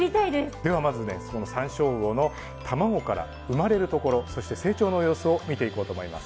ではまずねサンショウウオの卵から生まれるところそして成長の様子を見ていこうと思います。